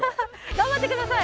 頑張ってください！